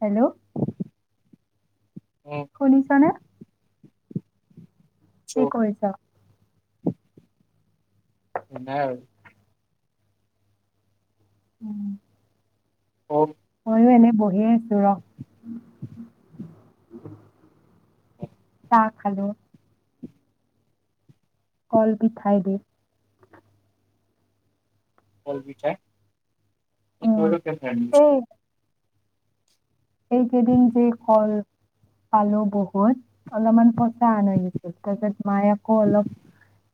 Hello উম শুনিছনে? কি চ' কৰিছ? নাই আৰু উম । অ এনে বহিয়েই এ ৰ । উম [unintelligible] চাহ খালো । কল পিঠাই দি। কল পিঠা এই তো উম। আৰু কেনেকে। এই কেইদিন যে কল পালোঁ বহুত অলমান, তাৰ অন মায়াকো অলপ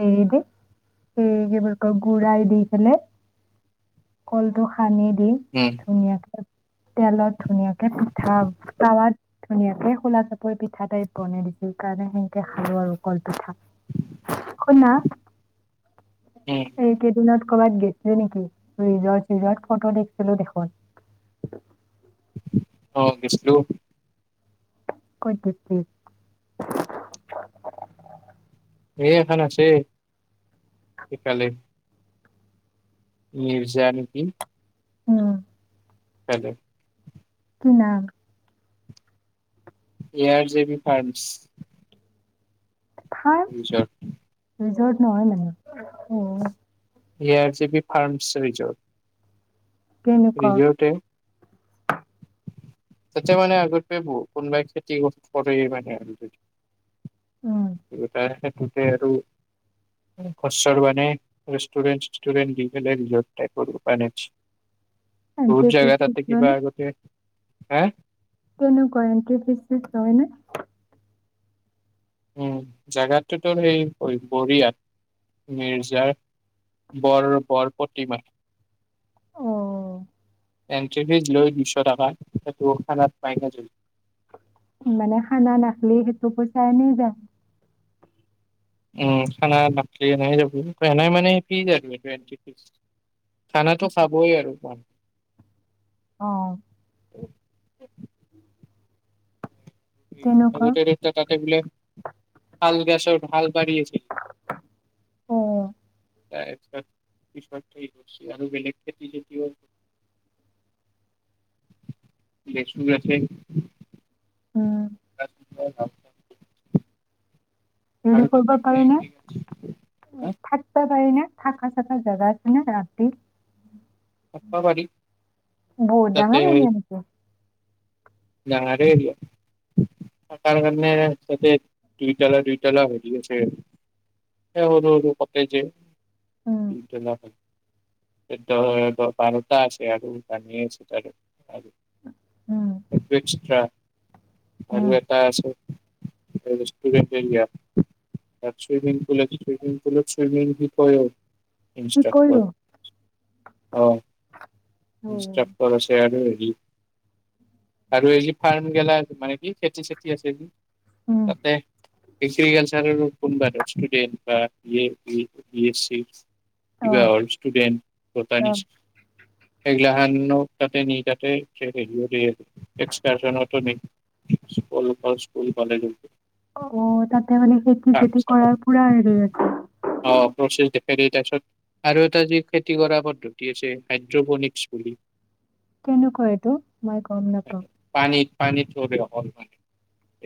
হেৰিদি সেই বুলি কয় গু়ড়াই দি পেলে কলটো। সানি দি উম ধুনিয়াকে তেলত ধুনীয়া কে পিঠা তাৱাত ধুনীয়াকে খোলা চাপৰি পিঠা টাইপ বনাই দিছিল ।সেইকাৰণে সেনেকে খালোঁ আৰু কল পিঠা। শুনা উম এইকেইদিনত ক'বাত গৈছিলি নেকি ৰিজৰ্ট চিজত ফটো দেখিছিলোঁ দেখোন। অ গৈছিলোঁ। ক'ত গৈছিলি। এই এখন আছে সিফালে। নি বিচা নেকি? উম কাইলে। কি না। এ-আৰ-জে-বি-ফাৰ্মছ। ফাৰ্ম [unintelligible] ৰিজৰ্ট নহয় মানে অ', এ-আৰ-জি-বি-ফাৰ্মছ-ৰিজৰ্ট, কেনেকুৱা? ৰিজৰ্ট এ', তাতে মানে আগতে বহু কোনোবাই খেতি কৰে মানে, উম, [unintelligible] গোটেই আৰু মানে ঘৰ-চৰ ৰেষ্টুৰেণ্ট-চেচুতুৰেন্ত দি পেলায় বহুত এণ্ট্ৰি ফিজ জাগা চিজ তাতে লয় কিবা নে? আগতে, হা', কেনেকুৱা এন্ট্ৰী ফিচ-তিছ লয়নে? উম', জাগাটো তোৰ সেই বৰিয়াত মিৰ্জাৰ বৰ- -বৰ প্ৰতিমা। অ', এণ্ট্ৰি ফিচ লয় দুইশ টকা হেতু খানাত মাইনাচ হৈ যায়। মানে খানা নাখলি সেইটো পইচা এনে যায়। উম ', খানা নাখালি এনাই যাবাই মানে আৰু খানাটো খাবই আৰু অহ', [unintelligible] কেনেকুৱা? [inaudible] তাতে বোলে শাল গছ, ভাল বাঢ়ি, অ', [unintelligible] উম', [unintelligible] হেৰি কৰিব তাতে মানে পাৰি নে', এগ্ৰিকালচাৰ থাকবা পাৰি নে? থাকা - চাকা জেগা আছে নে', ৰাতি? পাৰি বৌ দাঙৰে নি আনিছে? নালাগে দিয়া থাকাৰ কাৰনে ছবে দুইটালা-দুইটালা হেৰি আছে, এ', সৰু-সৰু কটেযে। উম, দুইটলা হয়। এক দহ-এক দহ বাৰটা আছে আৰু জানি আছে আৰু আৰু, উম, এক্সট্ৰা আৰু উম। এটা আছে ৰেষ্টুৰেণ্ট এৰিয়া, তাত চুইমিং-পুল আছে, চুইমিং-পুলত চুইমিং তো কি ইষ্ট্ৰাক্টৰ কৰিলোঁ? হয় অ ইনষ্ট্ৰাক্টৰ আছে আৰু উম্ আৰু এই', যি ফাৰ্ম গেলা মানে কি খেতি-চেতি আছে যি, তাতে এচিকালচাৰ হৈ গল কোনবা ষ্টুডেন্ত এনোকা বি-এ, বি-এছ-চিচ অ', কিবাহৰ ষ্টুডেন্ত বতানিছ, অ', [unintelligible] এক্সকাৰখানাটো নেক স্কুল পাছ কৰি পালেগৈ অ', তাতে মানে খেতি-চেতি চাবা কৰাৰ পুৰা হেৰি আছে। হে তাৰপিছত আৰু এটা যি খেতি কৰা পদ্ধতি আছে হাইড্ৰভনিক্স বুলি কেনেকোৱা এইটো মই গম নাপাওঁ পানীত পানীত পৰবিয় হল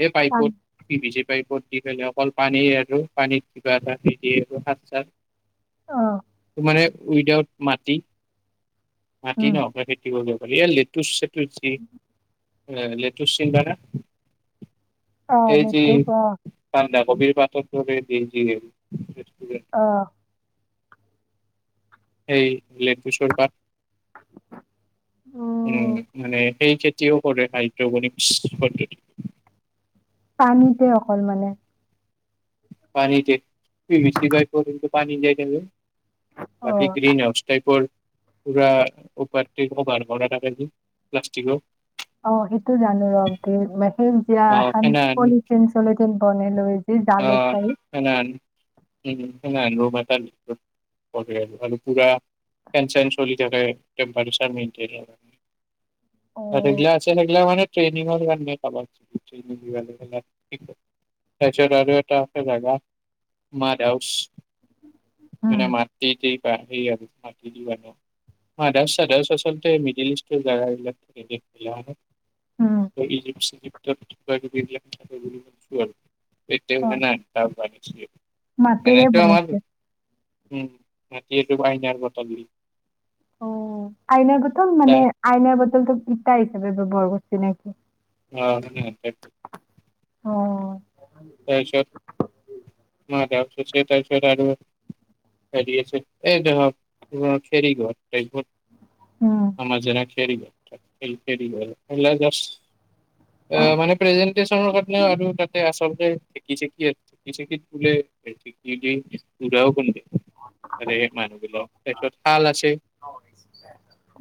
এই পান পাইপত তিভিজি পাইপত দি পেলে অকল পানী আৰু পানীত কিবা এটা দি দিয়ে আৰু হাত চাত অ', মানে উইদাউট মাটি মাটিত উম, ন খেতিত দিবলে বঢিয়া লেটু চেতুচ জি মানে লিটু চিনবানে অ', এইজি লেটুক অ', কাণ্ডাৰ কবিৰ পাতত কবিৰ বিষ দিয়ে আহ এই লেটুচৰ পাত উম মানে সেই যে তেওঁৰ কৰে হাইড্ৰগনিক পদ্ধতি পানীতে অকল মানে পানীতে কি মিছি ভাই কৰি পানী দেই দেব বাকী অ', গ্ৰী ন অষ্টাইপৰ পৰা উপাপ্তি ক ভাৰ কৰা ৰাখ প্লষ্টিকৰ । অ সেইটো জানো বাও সেইজীয়া আহ পলিথিন চলিথিন বনাই লৈ যে জালত অহ‌ টাইপ সেনাহান হেনাহান ৰোম এটাত আৰু পোৰা চেন চলি থাকে তেম্পৰেচাৰ মেইনতেন অ', ৰেগলা আছে ন ৰেগলা মানে ট্ৰেইনিং ৰ ইমান মোক কামত তাৰছত আৰু এটা জাগা মাদ হাওচ উম, মানে মাটতি দি সেইআৰ আৰু মাটি দি বনাই, মাদাছ চাদাচ আচলতে মিডিল ইষ্টৰ জাগা এই বিলাক উম, ইজিপ চিজিপ ত কিবা কিবি এইবিলাক বুলিছো আৰু এ তিয়া অ', হয় নাই তাৰ পাৰে ঠিকে। মাটিৰে বনছে। উম, মাটি এইটো আইনাৰ বটল দি। অ' আইন বটল মানে তাৰ আইনাৰ বটল তটো ইতা হিচাপে বয়-বস্তু নে কি? অ' [unintelligible] অ'। তাৰপিছত মা সতে সুধিছে তাৰপিছত আৰু হেৰি আছে এই ধৰক খেৰি ঘৰ এই তাইপত। উম, অ' মাজে ৰাখে । হেৰি ঘৰ খেৰি ঘৰ মানে, সেইবিলাক জাস্ত প্ৰেজেণ্টেছনৰ কাৰণে আৰু তাতে আচল । সেই ঢেঁকী-চেঁকী, ঢেঁকী-চেঁকী বোলে ঢেঁকী দি গুৰাও খুন্দে । আৰে মানুহবিলাক তাৰপিছত শাল আছে ।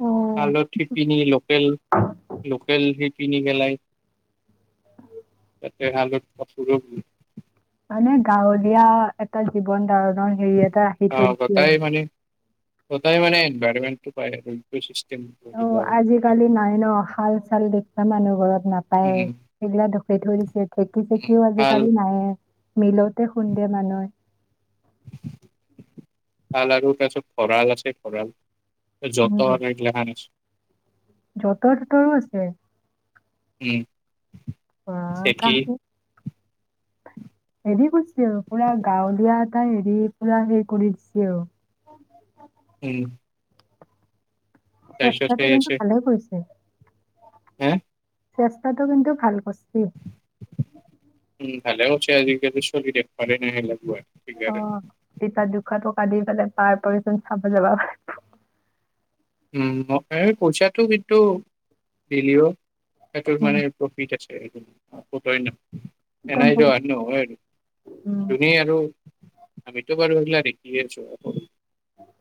অ শিপিনী লোকেল-লোকেল । কিনি পেলাই তাতে হালত । [unintelligible] মানে গাঁৱলীয়া এটা জীৱন ধাৰণ। অ' হেৰি এটা আহি থৈছিলে । কটাৰী মানে এনভাইৰনমেণ্টো পায় আৰু - অ' আজিকালি নাই ন, শাল-চাল দেখবা মানুহ ঘৰত নাপায় উম সেইগিলা ঢুকি থৰিছে উম ঢেঁকী-চেঁকীও শাল আজিকালি নাইয়ে। মিলতে খুন্দে মানুহে । তাল আৰু তাৰ পিছত ভঁৰাল আছে ভঁৰাল । য'ত হয় এগিলাখান। যঁতৰ-তঁতৰো আছে । উম । বাহ কাম হেৰি কৰিছিলোঁ পুৰা গাঁৱলীয়া । তাই হেৰি পুৰা সেই কৰি দিছে অ' । উম । চেষ্টাটো কিন্তু ভালে কৰিছে । হা । চেষ্টাটো কিন্তু ভাল কৰছি । ভালেও হৈছে আজিকালি চলি দেখবাৰে নাই সেইগিলাক গুৱাহাটীত । অ' ইতা দুশ টকা দি পেলে । তাৰ পৰেচোন চাবা যাবা পাৰে । উম মোক পইচাটো কিন্তু দিলেও । সেইটো উম মানে প্ৰফিট আছে। ক'ব' পাৰে না । একদম এনাই পুৰা যহত নহয় যোনে উম, আৰু এনে আৰু। আমিটো বাৰু সেগলা দেখি আছোঁ।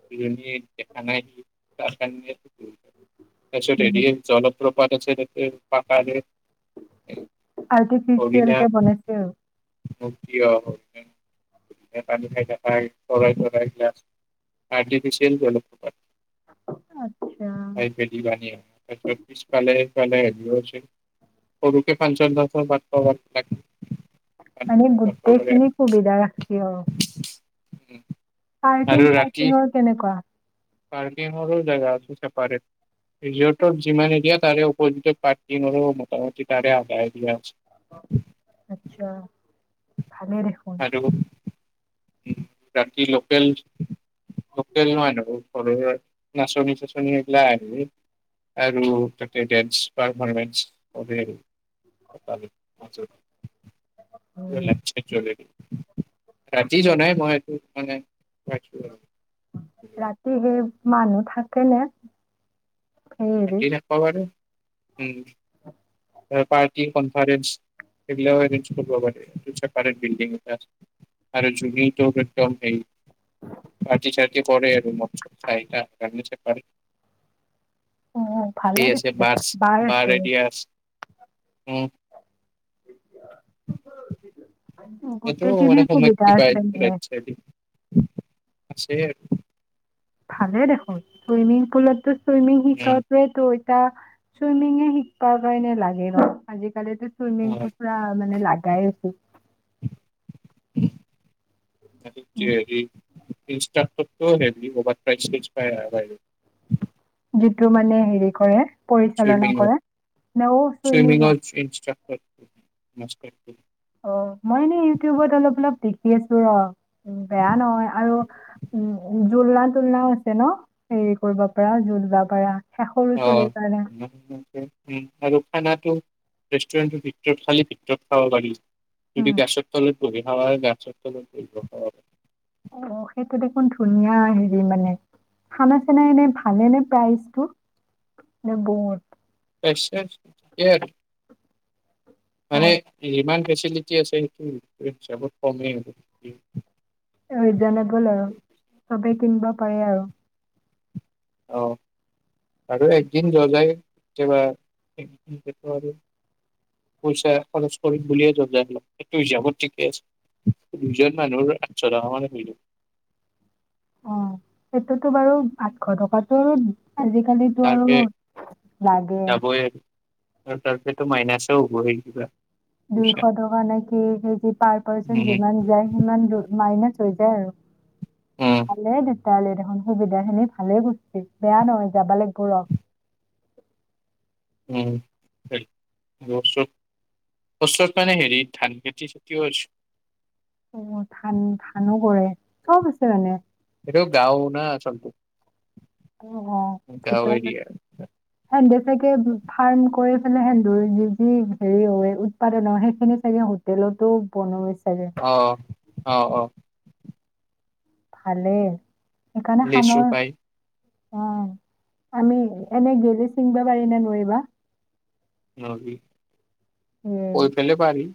দুজনীয়ে- কানাই। [unintelligible] তাৰপিছত উম, হেৰি জলপ্ৰপা- পদ আছে তাকে পাপাৰে [unintelligible] আৰ্টিফিচিয়েলতে বনাইছে আৰু। [unintelligible] [unintelligible] আচ্ছা। তাৰত পিছফালে সিফালে হেৰি আছে সৰুকে ফাংচন-সাংচন পাত আ' গুটেইখিনি সুবিধা ৰাখি আৰু। উম, পাৰ্কিং চাৰ্কিংও কেনেকুৱা? পাৰ্কিংৰো জেগা আছে ছেপাৰেট ৰিজওটত, যিমান এৰিয়া তাৰে অপজিত ত পাৰ্কিং আৰু মোটামি তাৰে আধা এৰিয়া আছে। আত্ছা, ভালে দেখোন। বাকী লোকেল লোকেল নহয় আৰু। ঘৰৰ নাচনি চাচনি এইবিলা আহিব আৰু তাতে ডেনছ্ পাৰফৰ্মেঞ্চ [unintelligible] পোৰা উম, লাইট চাইট জলাই দেই ৰাতি যোৱা নাই মই তো। হই নাই ৰাতি সেই মানুহ থাকে নে। সেই হেৰিত থাকি ৰাখিব পাৰো উম, পাৰ্কিং কনফাৰেন্স সেইবিলাক এইঞ্জ কৰিব লাগে চেপাৰেত বিল্ডিং এক, আৰু যৈবিঙ একদম হ [unintelligible] পাৰ্টি-চাৰট কি কৰে আৰু মত চত কাৰিকা [unintelligible] অ', ভালে সেই আছে দেখোন বাছ দেখোন। বাৰ আছে ৰেডিয়াছ উম, এইটো গোটেইখিনি মানে সুবিধা সমিটি আছে মানে। [unintelligible] আছে আৰু ভালে দেখোন চুইমিং পুলতো ছুইমিং আৰু শিকোৱাতোৱৈটৈ ছা চুইমিং শিকবা কাৰণে লাগে বা আজি পাৰিলে টো ছুইমিংটো পুৰা মানে লাগে গাই আছো। উম, উম, [unintelligible] ইনষ্টাকতটো । [unintelligible] সিটো মানে হেৰি কৰে। পৰিচালনা চুইমিঙত কৰে নেও চুইমিং চুইমিঙৰ হল। [unintelligible] অ মই এনে ইউটিউবত অলপ অলপ দেখি আছো ৰ। উ বেয়া নহয় আৰু উম উম। জুলনা তুলনাও আছে ন হেৰি কৰিব পাৰা জলবা পাৰা। সে সৰু অ চলিৰ কাৰণে। উম আৰু খানাটো। ৰেষ্টুৰেণ্টৰ ভিতৰত খালী ভিতৰত খাব পাৰি। উম যদি গেছৰ তলত। কবি হাৱাই গেছৰ তলত [unintelligible] অ সেইটো দেখোন ধুনীয়া হেৰি মানে খানা চানা এনে ভালে নে প্ৰাইজটো নে বহুত? প্ৰাইজটো ঠিকে আৰু অ মানে ইমান ফেচিলেটি আছে সেইটো হিচাপত কমেই আৰু। ৰিজনেবল আৰু চবে কিনিব পাৰে আৰু আহ আৰু একদিন জনাই কেতিয়াবা এক পইচা খৰচ কৰিম বুলিয়ে যাযসেইটো হিচাপত ঠিকে আছে দুজন মানুহৰ আঠশ টকা মানল। অ সেইটোতো বাৰু আঠশ টকাতটো। আজিকালিতো তাৰপে আৰু লাগে। যাবই আৰু আৰু তাৰপিছতো মাইনাচও হ'ব সেই কিবা। পইচা দুইশ টকা নেকি পাৰ পাৰ্চন উম যিমান যায় সিমান মাইনাচ। থৈ যায় আৰু। উম ভালে দেখি তালে দেখোন সুবিধা খিনি ভালেই গুছিল বেয়া দে গৌৰৱ নহয় যাবা লাগিব। উম চৰত ওচৰত মানে হেৰি ধান খেতি খেতিও হৈছে। অ ধান ধানো কৰে চব আছে মানে। এইটো গাঁও না আচলতে। অ অ গাঁও ভিতৰ এৰিয়া হেন বেচকে ফাৰ্ম কৰে। এই ভালে সেন্দুৰ যি যি হেৰি হয় উৎপাদন হয় সেইখিনি চাগে হোটেলতো বনাইছে। আহ অ অ [unintelligible] ভালে লেচু পায়। উম আমি এনে গেলি চিংবা পাৰি নে নোৱাৰিবা। নদী। এ কৈ ফালৰ পৰা আহি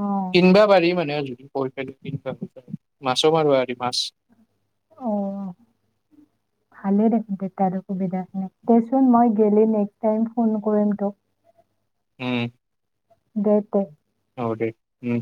অ কিনবা পাৰি মানে অ এইটো কিনি বা মাছো মাৰিব মাছ অ ভালেই দেখোন তেতিয়াহলে সুবিধাখিনি দেচোন মই দেইলি নেক্স টাইম ফোন কৰিম তোক উম দেই তে হব দে উম